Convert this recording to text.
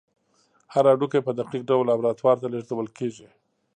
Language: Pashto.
هر هډوکی په دقیق ډول لابراتوار ته لیږدول کېږي.